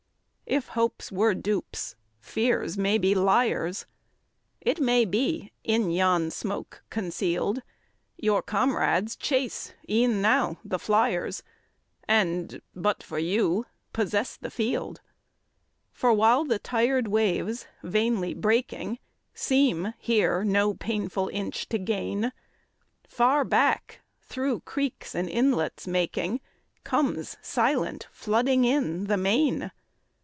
If hopes were dupes, fears may be liars; It may be, in yon smoke conceal'd, Your comrades chase e'en now the fliers, And, but for you, possess the field. For while the tired waves, vainly breaking, Seem here no painful inch to gain, Far back, through creeks and inlets making, Comes silent, flooding in, the main.